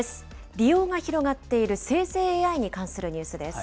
利用が広がっている生成ＡＩに関するニュースです。